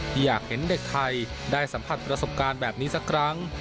อยากเห็นเด็กไทยได้สัมผัสประสบการณ์แบบนี้สักครั้ง